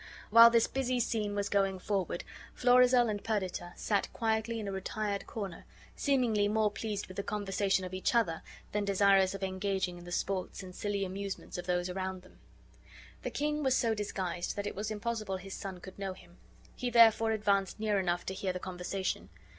While this busy scene was going forward Florizel and Perdita sat quietly in a retired corner, seemingly more pleased with the conversation of each other than desirous of engaging in the sports and silly amusements of those around them. The king was so disguised that it was impossible his son could know him. He therefore advanced near enough to hear the conversation.